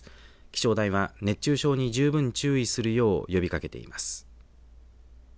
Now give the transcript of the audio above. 気象台は熱中症に十分注意するよう呼びかけています。